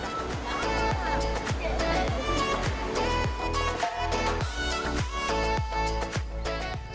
masak di dalam bumbu